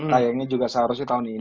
sayangnya juga seharusnya tahun ini